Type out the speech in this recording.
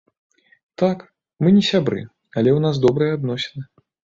Так, мы не сябры, але ў нас добрыя адносіны.